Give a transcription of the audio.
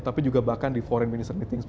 tapi juga bahkan di forei minister meeting